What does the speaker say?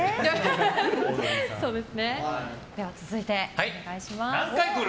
続いて、お願いします。